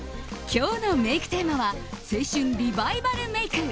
今日のメイクテーマは青春リバイバルメイク。